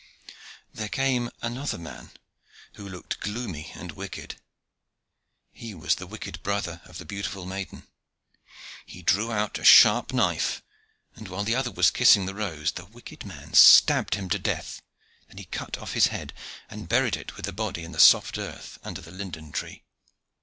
There came another man, who looked gloomy and wicked. He was the wicked brother of the beautiful maiden. He drew out a sharp knife, and while the other was kissing the rose, the wicked man stabbed him to death; then he cut off his head, and buried it with the body in the soft earth under the linden tree.